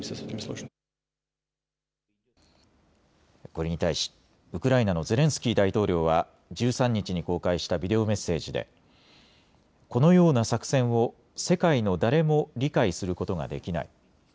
これに対しウクライナのゼレンスキー大統領は１３日に公開したビデオメッセージでこのような作戦を世界の誰も理解することができない。